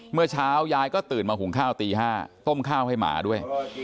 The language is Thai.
เมื่อเช้ายายก็ตื่นมาหุงข้าวตี๕ต้มข้าวให้หมาด้วย